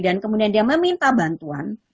dan kemudian dia meminta bantuan